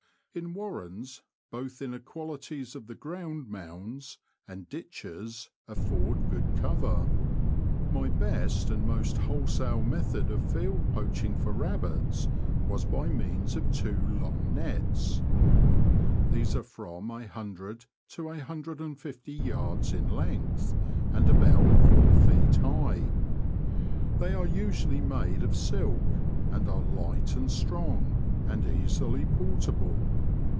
In warrens, both inequalities of the ground, ^ mounds, and r^^^k '^^, ditches af ford good cover. My and most 4 wholesale i|W'*' best ."^ method of field poaching for rabbits was by means of two long nets. These are from a hun dred to a hundred and fifty yards in length, and about four feet high. They are usually made of silk, and are light and strong, and easily portable.